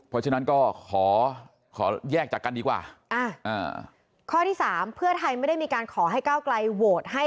เพราะฉะนั้นก็ขอขอแยกจากกันดีกว่าข้อที่๓เพื่อไทยไม่ได้มีการขอให้ก้าวไกลโหวตให้